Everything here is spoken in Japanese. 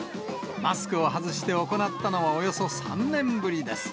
マスクを外して行ったのは、およそ３年ぶりです。